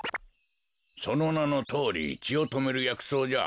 そのなのとおりちをとめるやくそうじゃ。